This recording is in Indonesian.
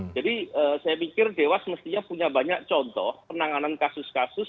jadi saya pikir dewas mestinya punya banyak contoh penanganan kasus kasus